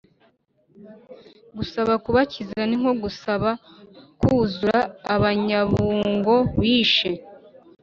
gusaba kubakiza ninkogusaba kuzura abanyabungo wishe